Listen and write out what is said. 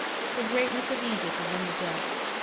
The greatness of Egypt is in the dust.